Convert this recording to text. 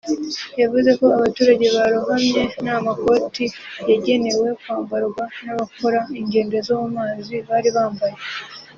yavuze ko abaturage barohamye nta makoti yagenewe kwambarwa n’abakora ingendo zo mu mazi bari bambaye